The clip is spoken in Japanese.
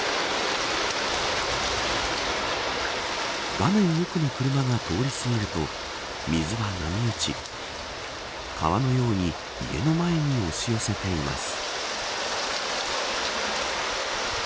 画面奥の車が通り過ぎると水は波打ち川のように家の前に押し寄せています。